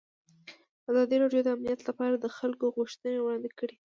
ازادي راډیو د امنیت لپاره د خلکو غوښتنې وړاندې کړي.